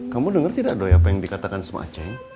kamu dengar tidak doy apa yang dikatakan sama aceh